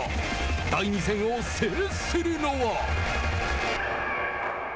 第２戦を制するのは。